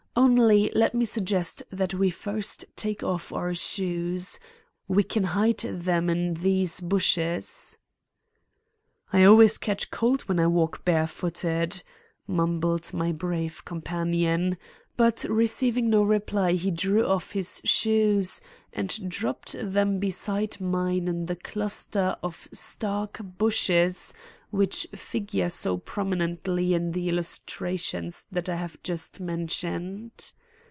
Only, let me suggest that we first take off our shoes. We can hide them in these bushes." "I always catch cold when I walk barefooted," mumbled my brave companion; but receiving no reply he drew off his shoes and dropped them beside mine in the cluster of stark bushes which figure so prominently in the illustrations that I have just mentioned.